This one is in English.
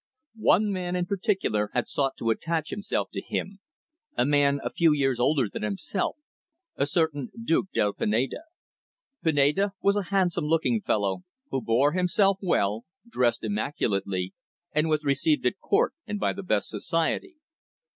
One man in particular had sought to attach himself to him, a man a few years older than himself, a certain Duke del Pineda. Pineda was a handsome looking fellow who bore himself well, dressed immaculately, and was received at Court and by the best society.